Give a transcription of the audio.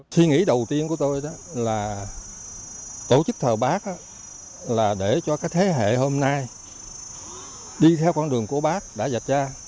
thí nghĩ đầu tiên của tôi là tổ chức thờ bác là để cho cái thế hệ hôm nay đi theo con đường của bác đã dạy ra